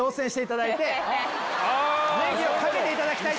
ネギをかけていただきたい。